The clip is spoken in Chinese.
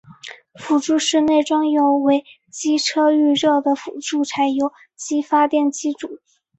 辅助室内装有为机车预热的辅助柴油机发电机组。